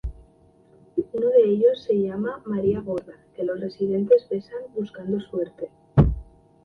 Uno de ellos se llama "María Gorda", que los residentes besan "buscando suerte".